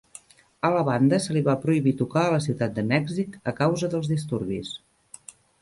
A la banda se li va prohibir tocar a la ciutat de Mèxic a causa dels disturbis.